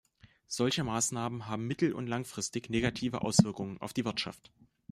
Solche Maßnahmen haben mittel- und langfristig negative Auswirkungen auf die Wirtschaft.